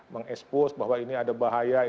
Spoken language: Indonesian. meng expose bahwa ini ada bahaya